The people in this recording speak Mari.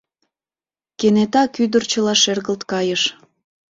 Кенета кӱдырчыла шергылт кайыш: